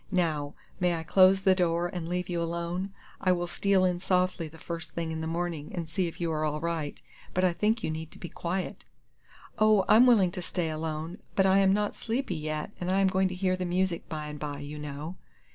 Now, may I close the door and leave you alone? I will steal in softly the first thing in the morning, and see if you are all right; but I think you need to be quiet." "Oh, I'm willing to stay alone; but I am not sleepy yet, and I am going to hear the music by and by, you know."